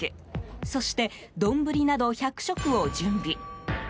そして、丼など１００食を準備。